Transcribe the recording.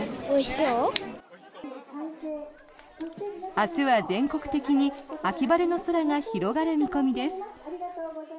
明日は全国的に秋晴れの空が広がる見込みです。